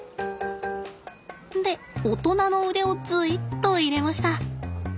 で大人の腕をずいっと入れました。